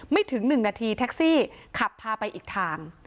ไม่ถึงหนึ่งนาทีแท็กซี่ขับพาไปอีกทาง